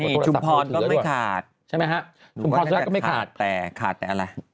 มีขุมพอร์นก็ไม่ขาดคาดแต่อะไร